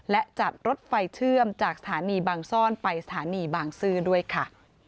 และจัดรถไฟเชื่อมจากสถานีบางซ่อนไปสถานีบางซื่อด้วยค่ะ